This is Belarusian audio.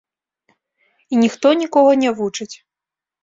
І ніхто нікога не вучыць.